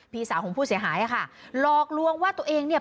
พี่สาวของผู้เสียหายอ่ะค่ะหลอกลวงว่าตัวเองเนี่ย